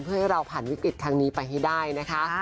เพื่อให้เราผ่านวิกฤตทางนี้ไปให้ได้นะคะ